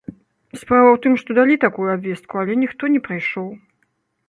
Справа ў тым, што далі такую абвестку але ніхто не прыйшоў.